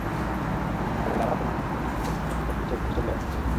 আর Lara তোমার যখনই bubble স্নান করতে মন চাইবে চলে আসবে!